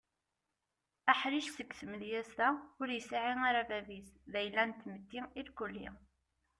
Aḥric seg tmedyaz-a ur yesɛi ara bab-is d ayla n tmetti irkeli.